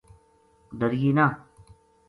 ڈریے نہ